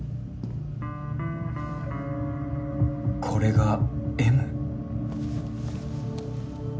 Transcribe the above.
これがＭ？